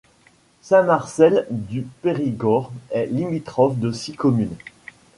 Saint-Marcel-du-Périgord est limitrophe de six communes.